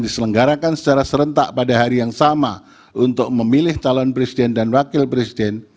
diselenggarakan secara serentak pada hari yang sama untuk memilih calon presiden dan wakil presiden